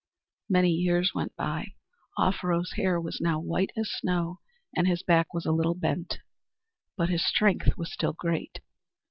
Many years went by. Offero's hair was now white as snow and his back was a little bent. But his strength was still great.